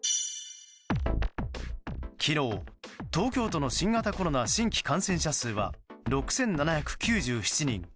昨日、東京都の新型コロナ新規感染者数は６７９７人。